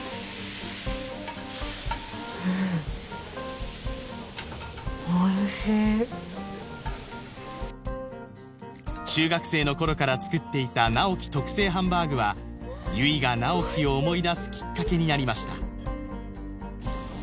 うんおいしい中学生の頃から作っていた直木特製ハンバーグは悠依が直木を思い出すきっかけになりました